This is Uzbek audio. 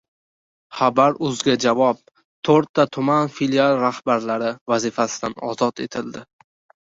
«Xabar.uz»ga javob: to‘rtta tuman filiali rahbarlari vazifasidan ozod etildi!